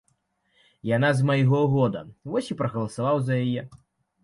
Яна з майго года, вось і прагаласаваў за яе.